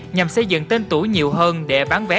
nhằm xây dựng tên tuổi nhiều hơn để bán vé